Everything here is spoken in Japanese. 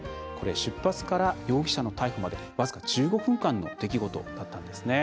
出発から容疑者の逮捕まで僅か１５分間の出来事だったんですね。